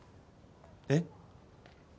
えっ？